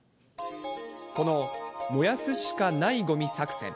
この燃やすしかないごみ作戦。